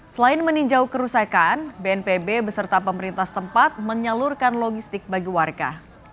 selain meninjau kerusakan bnpb beserta pemerintah setempat menyalurkan logistik bagi warga